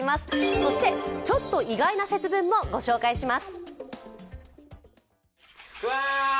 そして、ちょっと意外な節分もご紹介します。